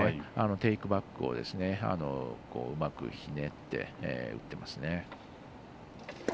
テイクバックをうまくひねって打っていますね。